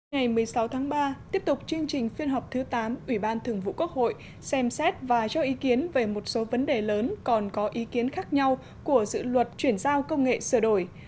ngày một mươi sáu tháng ba tiếp tục chương trình phiên họp thứ tám ủy ban thường vụ quốc hội xem xét và cho ý kiến về một số vấn đề lớn còn có ý kiến khác nhau của dự luật chuyển giao công nghệ sửa đổi